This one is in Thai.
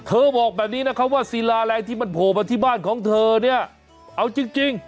บอกแบบนี้นะครับว่าศิลาแรงที่มันโผล่มาที่บ้านของเธอเนี่ยเอาจริงจริง